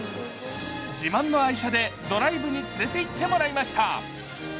自慢の愛車でドライブに連れていってもらいました。